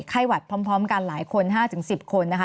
ไข้หวัดพร้อมกันหลายคน๕๑๐คนนะคะ